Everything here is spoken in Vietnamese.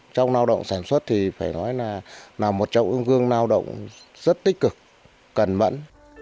trong lao động sản xuất thì phải nói là một trong ứng gương lao động rất tích cực cẩn mẫn